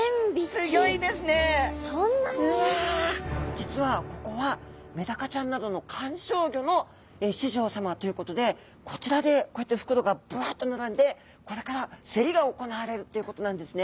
実はここはメダカちゃんなどの観賞魚の市場さまということでこちらでこうやって袋がバッと並んでこれから競りが行われるっていうことなんですね。